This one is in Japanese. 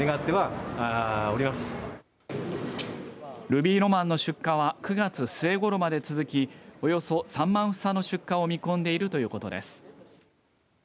ルビーロマンの出荷は９月末ごろまで続きおよそ３万房の出荷を見込んでいるということです。